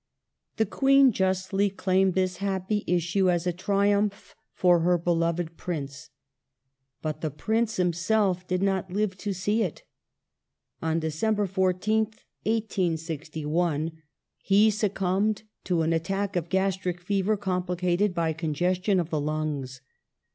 The Queen justly claimed this happy issue as a triumph for The death " her beloved Prince ". But the Prince himself did not live to see p^l^^e it. On December 14th, 1861, he succumbed to an attack of gastric Consort fever complicated by congestion of the lungs.